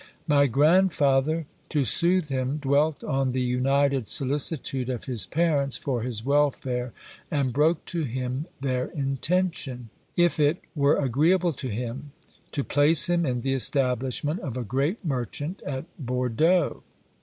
My grandfather, to soothe him, dwelt on the united solicitude of his parents for his welfare, and broke to him their intention, if it were agreeable to him, to place him in the establishment of a great merchant at Bordeaux.